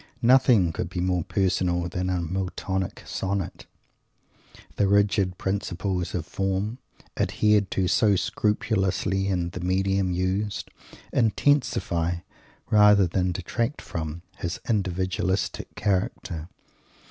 Nothing could be more personal than a Miltonic Sonnet. The rigid principles of form, adhered to so scrupulously in the medium used, intensify, rather than detract from, his individualistic character.